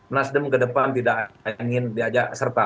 nasdem kedepan tidak ingin diajak serta